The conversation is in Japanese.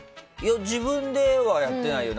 自分ではやってないよ。